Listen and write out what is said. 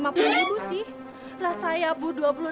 nih berarti rasa ya bu dua puluh aja ilang